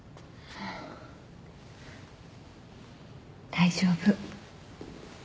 大丈夫。